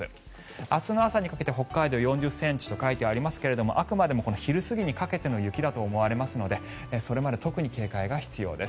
明日の朝にかけて北海道、４０ｃｍと書いてありますがあくまでも昼過ぎにかけての雪だと思われますのでそれまで特に警戒が必要です。